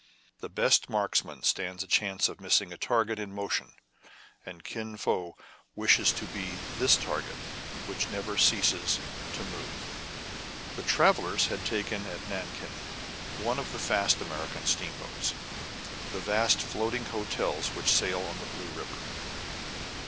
The best marksman stands a chance of missing a target in motion, and Kin Fo wishes to be this target which never ceases to move. The travellers had taken at Nankin one of the fast American steamboats, the vast floating hotels which sail on the Blue River.